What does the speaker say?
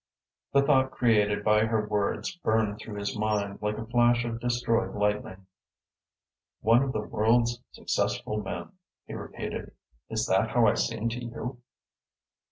The thought created by her words burned through his mind like a flash of destroying lightning. "One of the world's successful men," he repeated. "Is that how I seem to you?"